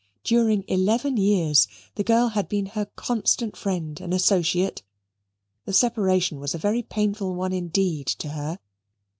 During eleven years the girl had been her constant friend and associate. The separation was a very painful one indeed to her.